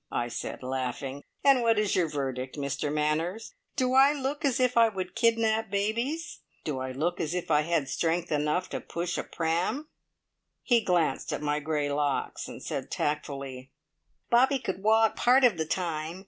I said laughing. "And what is your verdict, Mr Manners? Do I look as if I would kidnap babies? Do I look as if I had strength enough to push a pram?" He glanced at my grey locks, and said tactfully: "Bobby could walk part of the time.